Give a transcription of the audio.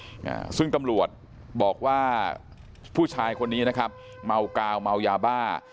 อ่าซึ่งตำรวจบอกว่าผู้ชายคนนี้นะครับเมากาวเมายาบ้า